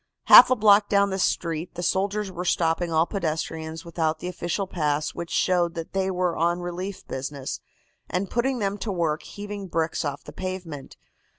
"Half a block down the street the soldiers were stopping all pedestrians without the official pass which showed that they were on relief business, and putting them to work heaving bricks off the pavement.